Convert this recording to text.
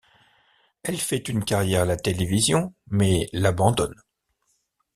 Elle fait une carrière à la télévision mais l'abandonne.